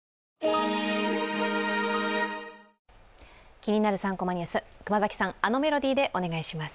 気になる「３コマニュース」、熊崎さん、あのメロディーでお願いします。